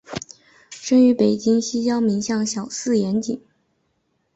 生于北京西郊民巷小四眼井。